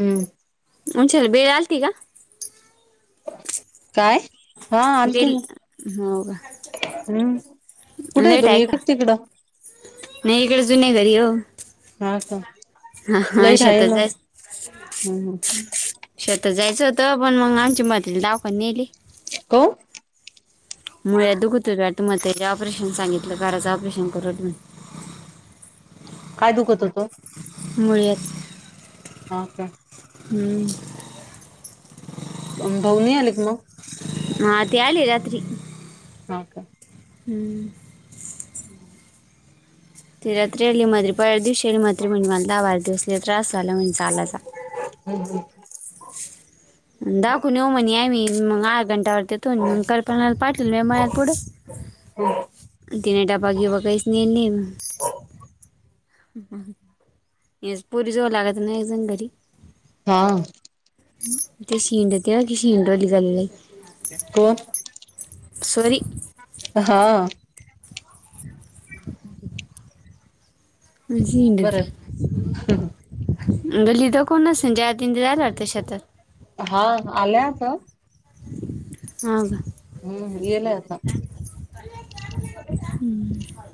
हम्म बेल आलती का. काय हा आलती बेल ना हो का हम्म. कुठे आहे तुम्ही, येतो मी तिकडं. मी हिकडं जुन्या घरी हो. हा का. हा हा लाईट आहे शेतात ना जाय हम्म शेतात जायचं होतं, पण मग आमची म्हातारी दवाखान्या नेली. काऊन मूळव्याध दुखु राहतं म्हातारीला ऑपरेशन सांगितलं कराच, ऑपरेशन करू काय दुखत होतं. मूळव्याध हा का हम्म. अं भाऊ नाही आले का मग. हा ते आले रात्री. हा का. हंम्म. हंम. ते रात्री आले म्हातारी परवादिवशी, आणि म्हातारी म्हणली मला धा बारा दिवस लय त्रास झाला म्हणे चालायचा. हम्म हम्म. दाखवून येऊ म्हणी या मी मग आठ घंटावरतीथून मग कल्पनाला पाटील म मत पुढं [inaudible] हम तिन डबा बीबा काहीच नाही नेल, याच पोरी जवळ लागाच ना एकजण घरी. हा [inaudible] कोण? सॉरी हा [inaudible] [inaudible] बरं गल्लीत कोण अस ज त ते जायला लाते शतात [inaudible] हा आल्या आता. हाव का. हम्म येल आता. [inaudible]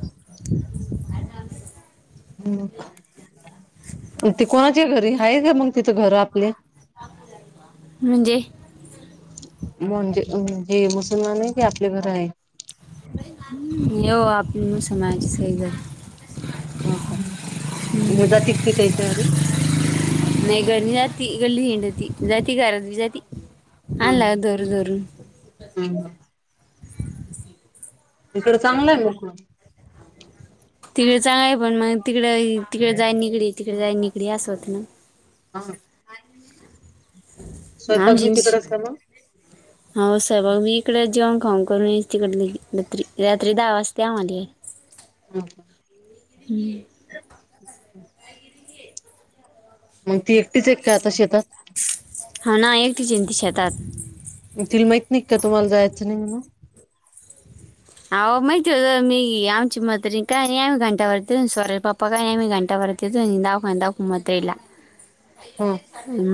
ते कोणाच्या घरी आहे का मग तिचं घर आपले, म्हणजे. म्हणजे म्हणजे मुसलमान आहे की, आपल्या घर आहे. [inaudible] म जाते ती तिच्या घरी, नाही घर जाती गल्ली हिंडती जाती घरात जाती. आणला हम्म धरून धरून हम्म इकड चांगलंय मोकळ तिकडे चांग आहे पण मग तिकड तिकडे जाय निगडी तिकडे जाय नििकडी अस होत ना, हा [inaudible] स्वयंपाक भी तिकडंच का मग, ह सहेबग मी इकडे जेवण खाऊ करून येच तिकडे र्री रात्री दहा वाजता द मझ [inaudible] [inaudible] हां का हम्म [inaudible] मग ती एकटीच एक का आता शेतात. ह ना एकटी घर ना शेतात. मग तीला माहित नाही का तुम्हाला जायचं नाही म्हणून. [inaudible] [inaudible] ह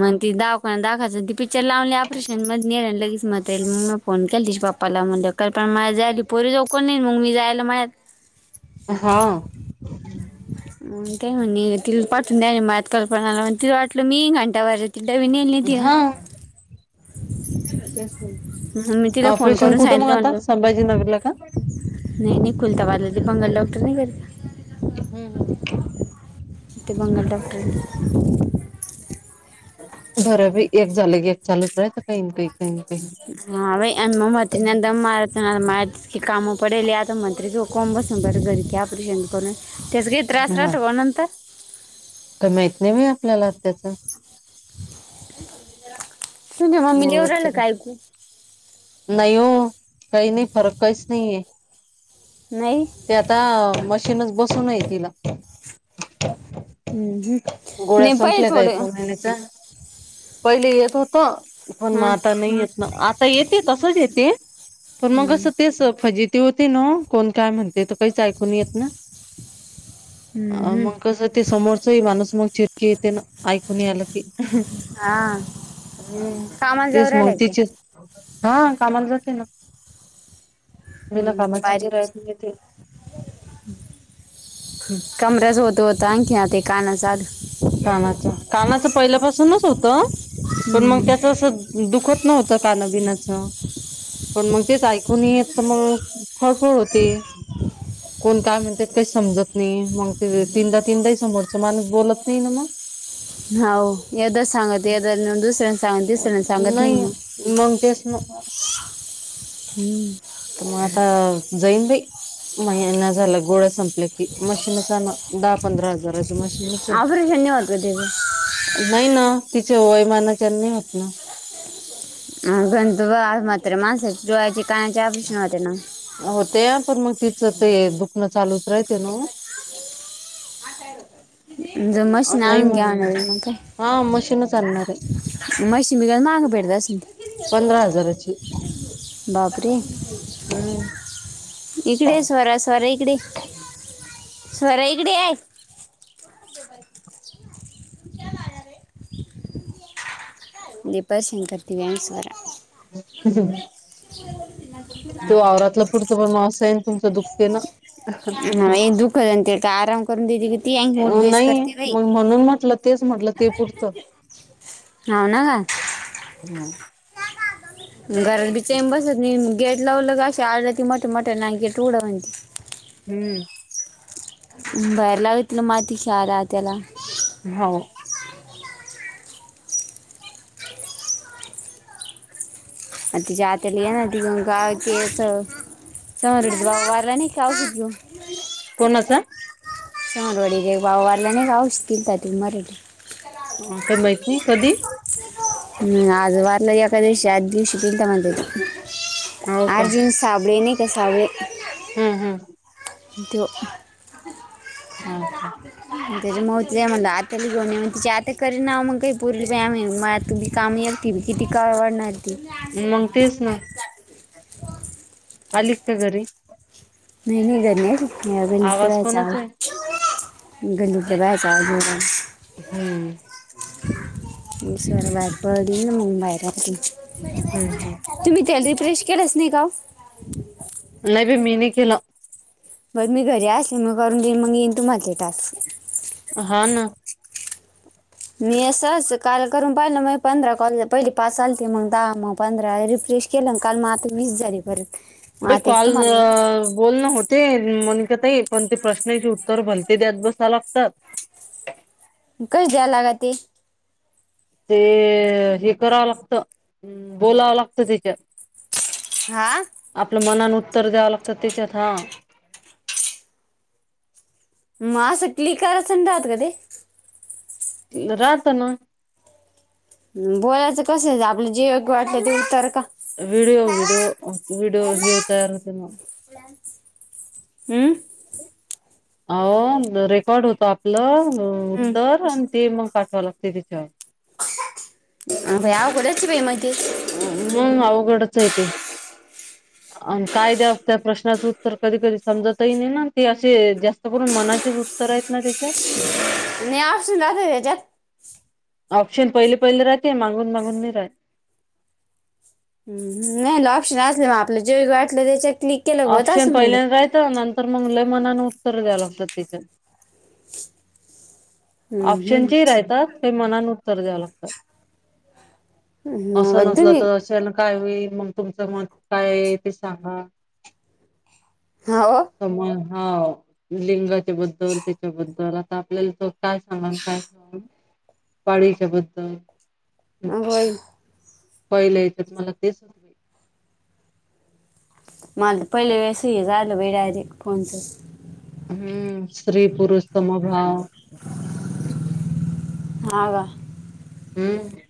मग ती दावक दाखायच ती पिक्चर लावली ऑपरेशन मध्ये नेय लगेच मत येईल मग म [inaudible] फोन केल तिच्या बाप्पाला म्हणलं का पण माझ जायली पोरी जाऊ कोण नाही मग मी जायला माझत- हा काय म्हणणे तिला पाठून द्या मत कल्पनाला तिला वाटलं मी घंट्यावरर [inaudible] तिड्डा ब नाहील तिरा हा [inaudible] ऑपरेशन कुठं मग सांगितलं आता, म्हणलं संभाजीनगरला का? नाही नाही कुल्ताबादला ते बंगाल डॉक्टर नाही का ते. हम्, हम्म ते बंगाली डॉक्टर [unintelligible] बरं बाई एक झालं की एक चालूच हाय त काही - काही काही ना काही हा बाई [unintelligible] यंदा माळ हा मया इतकी कामं पडेली, आता म्हंतरी कोण बसल बरं घरी की ऑपरेशन करून त्याच गे त्रास राहतो हो नंतर का माहीत नाही बाई आपल्याला आत त्याच सुनी मामीनी मुळव्याधच ओरडल का काय कू नाही वो, काही नाही फरक काहीच नाहीये नाही ते आता, मशीनच बसून आहे तिला हम्म, हम्म. गोळ्या नाही पाहिजे संपल्या काय, थोडं खाऊन आले जा, पहिले येत होतो, पण म हां आता नाही येत ना, आता येत्यात तूज येते, पण मग असं तेच फजिती होते ना हो, कोण काय म्हणते त पैज ऐकू येत ना अ, हम्म, हम्म. मग कसं ते, समोरचही माणूस मग चिडकी येते ना, ऐकू नाय आलं की? हां हंम, कामाला जाऊ तेच राहिला मग ते तिचे हा कामाला जाते ना, बीनाकामाची निरायत घेते कमरेचा होत होता आणखी आता हे कानाचं आलं कानाचं - कानाचं पहिल्यापासूनच होतं, पण मग हम्म. त्यात तसं, दुखत नव्हतं, काना बिनाचं पण मग, तेच ऐकू नाय येत त म, फळफळ होती. कोण काय म्हणत काही समजत नाहिये, मग ते तीनदा तीनदाही समोरचं माणूस बोलत नाही ना म हाऊ, एकदाच सांगते एदा दुसऱ्यांन सांगत तिसऱ्यांदा सांगत नाहीये मंग, तेच ना हम्म त म आता जाईन बाई, महिना झाला गोळ्या संपल्या की, मशीनच आणावं. दहा पंधरा हजाराची मशीन ऑपरेशन नाय होत का त्याज? नाय ना, तिच्या वोयमानाच्यान नाय होत ना? अ गन तबा आज मात्र माणसाची डोळ्याचे, कानाचे ऑपरेशन होते ना होतया, पण मग तिचं ते, दुखणं चालूच राहते ना वो [unintelligible] ज मसनी नाही आणून म्हणे घ्यावं मग नवीन म काय? हा मशीनच आणणार आहे मशीन बी काय महाग भेटत आसल पंधरा हजाराची बापरे हम्म इकडे ये स्वरा - स्वरा इकडे ये, स्वरा इकडे ये लय पासिंग करती वयानुसार हम्म, हं -हं दो आवरातला पुड तुम्हा मास आहे, तुमचं दुखते ना? नाही दुखत ते का आराम करून देती बीती, अन ओठ बेस नाही करते बाई मग म्हणून म्हटलं तेच म्हटलं ते पुढचं हाव ना का घरात बी चैन बसत नई, म गेट लावलं की अशी आराडती, मोठ मोठ्याने गेट उघडा म्हणती. हम्म बाहेर लावतील माती सारा त्याला हौ अन, तिच्या आत्यानी हाय ना ती गंगाळ केसं [unintelligible] कोणाचा? सवरवाडी लय भाव वाढला ना, [unintelligible] काय माहित नाय, कधी? हम्, आज वाारला, एका दिवशी, आज दिवशी [unintelligible] हो का आठ दिवस साबळे, नाय का साबळे हम्म, हं मम्मे, त्यो हा, का? त्याच्यामुळं तिया म्हणल आत्या भी [unintelligible] तीची आत्या करी नाव मग काय पोरगी [unintelligible] तुम्ही कामे एकटी मी, किती कळवडणार ती मंग, तेच ना आलीत का घरी? नाही - नाही घरी नाही [unintelligible] आवाज कोणाचा आहे गल्लीतल्या बाया [unintelligible] हम्म दुसर वायफळ दिली ना, मग बाहेर असते हम्म हम् तुम्ही ते आधी रिफ्रेश केलंच नाही का ओ? लय बाय मी नाही केलं बर मी घरी असली मग करून देईन, मग येईन तूम्हा ते टास्क हा, ना मी असं - असं काल करून पाहिलं, माय पंधरा कॉल, पहिले पास आलीती, मग दहा, मग पंधरा रिफ्रेश केलं काल, म आता वीस झाली परत मग बाई आता एक कॉल तुम्हाला बोलण होत ते मोनिकाताई, पण ते प्रश्नाचे उत्तर भलते द्यात बसा लागतात कय दया लागती? ते हे करावं लागतं, अम् बोलावं लागतं त्याच्या हा, आ आपलं, मनानं उत्तर द्यावं लागतं त्याच्यात, हा म असं क्लिक कराचण राहत का ते? राहत ना? हंम, बोलायचं कसं, आपलं जे योग्य वाटतय ते उतर का? व्हिडिओ- व्हिडिओ-विडिओ हे उत्तर आलं त मग हम्म अहो रेकॉर्ड होतो आपलं हम्म उत्तर, अन ते मग पाठवा लागते त्याच्याव अ बाई अवघडच आहे बाई म ते हं, मग अवघडच आहे तेे [inaudible] अन काय द्याव त्या प्रश्नाचं उत्तर, कधी - कधी समजतही नाही ना, ते असे जास्त करून मनाचेच उत्त प्रयत्न त्याच्यात त्याच्यात. नाही आप सुना र जात. ऑप्शन पहिले पहिले राहते मागून मागून नाही राहत. नाही ऑप्शन असले मग आपलं जे व वाटलं त्याच्यात क्लिक केलं होत ऑप्शन असं म्हणलं पहिल्यांद राहतं नंतर मग ल मनान द्यावे लागतात. हम्म, हम्म. ऑप्शनचे राहतात ते मनान उत्तर द्याव लागतात. असं हम्म, नसलं तुम्ही तरशाला. काय होईल मग तुमचं मत काय आहे ते सांगा. हो. सम हा लिंगाच्या बद्दल त्याच्याबद्दल आता आपल्याला त. काय सांग काय ख पाळीच्या बद्दल. होय. पहिल येतो मला तेच. मला तर पहिले अस हिजार आला भेडरी फोच. हम्म स्त्री पुरुष समभाव. काका. हम्म.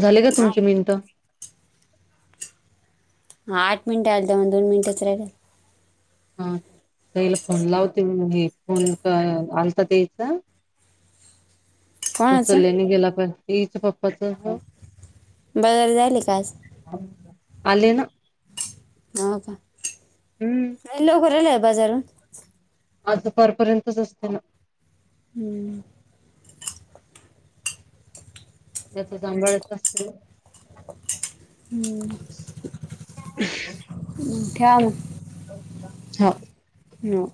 झाले का तुमचे मिनटं? हा आठ मिनट आलेल दोन मिनटच राहिल. पहिला फोन लावते हा त्यांच्या घरचा. कोणाचं उचलल्याने गेला पच पप्पाच. बघर झायले का आज. आले ना. हो का. हम्म. ए लोकराला आहे बाजारून. आज सकाळपर्यंतच असत ना. हम्म. याचा जांभाळत असत. हम्म. [inaudible] ठेवा मग. हा. ना.